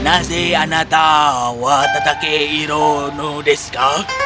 apa yang kau inginkan